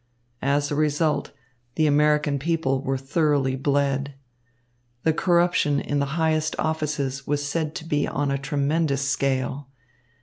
As a result, the American people were thoroughly bled. The corruption in the highest offices was said to be on a tremendous scale.